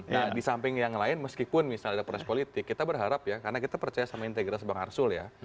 nah di samping yang lain meskipun misalnya ada proses politik kita berharap ya karena kita percaya sama integritas bang arsul ya